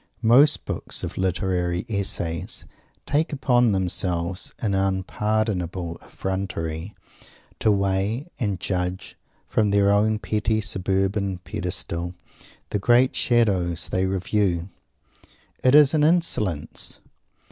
Most books of critical essays take upon themselves, in unpardonable effrontery, to weigh and judge, from their own petty suburban pedestal, the great Shadows they review. It is an insolence!